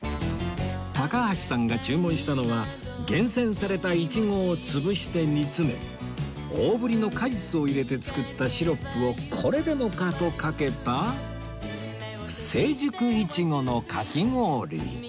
高橋さんが注文したのは厳選されたいちごを潰して煮詰め大ぶりの果実を入れて作ったシロップをこれでもかとかけた生熟いちごのかき氷！